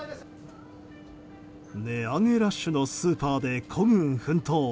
値上げラッシュのスーパーで孤軍奮闘。